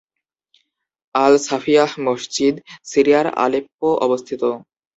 Al-Safiyah মসজিদ সিরিয়ার Aleppo অবস্থিত।